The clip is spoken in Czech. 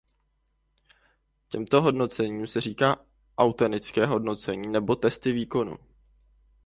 Těmto hodnocením se říká autentické hodnocení nebo testy výkonu.